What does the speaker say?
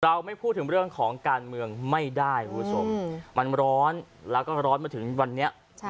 เราไม่พูดเรื่องการเมืองไม่ได้มันร้อนและก็ร้อนมาถึงวันนี้